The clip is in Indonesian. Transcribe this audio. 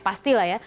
pasti lah ya